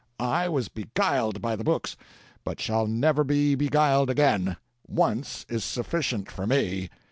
I was beguiled by the books, but shall never be beguiled again once is sufficient for me."